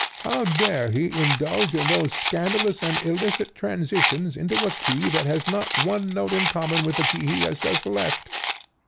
How dare he indulge in those scandalous and illicit transitions into a key that has not one note in common with the key he has just left?